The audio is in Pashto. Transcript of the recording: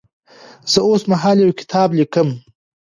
زه اوس مهال یو کتاب لیکم.